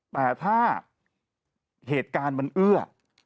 แต่ถ้าเหตุการณ์มันเอื้อ